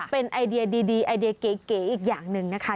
เป็นไอเดียดีไอเดียเก๋อีกอย่างหนึ่งนะคะ